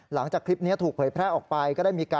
หลังจากคลิปนี้ถูกเผยแพร่ออกไป